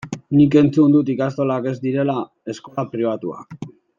Nik entzun dut ikastolak ez direla eskola pribatuak.